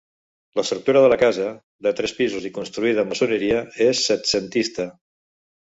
L'estructura de la casa, de tres pisos i construïda amb maçoneria, és setcentista.